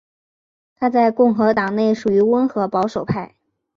他在共和党内属于温和保守派。